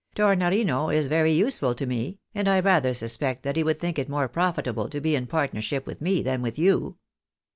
Tornorino is very useful to me, and I rather suspect that he would think it more profitable to be in partnership with me than with you."